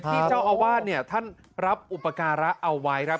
ที่เจ้าอาวาสเนี่ยท่านรับอุปการะเอาไว้ครับ